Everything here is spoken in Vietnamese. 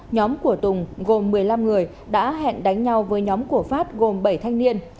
nhóm của tùng gồm một mươi năm người đã hẹn đánh nhau với nhóm của phát gồm bảy thanh niên